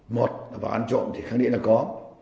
một vào án trộm thì khẳng định là có